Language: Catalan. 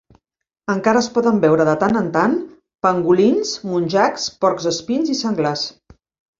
Encara es poden veure de tant en tant pangolins, muntjacs, porcs espins i senglars.